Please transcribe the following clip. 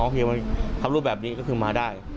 ทำรูปแบบนี้ก็คือมาได้